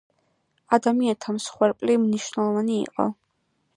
ადამიანთა მსხვერპლი მნიშნვნელოვანი იყო.